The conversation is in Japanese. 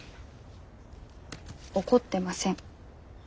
怒ってません。